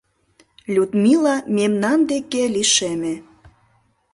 Людмила мемнан деке лишеме.